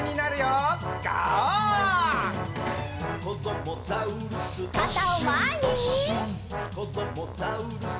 「こどもザウルス